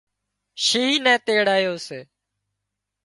شينهن نين تيڙايو سي